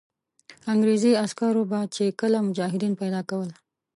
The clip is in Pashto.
انګرېزي عسکرو به چې کله مجاهدین پیدا کول.